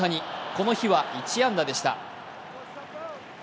この日は１安打でした。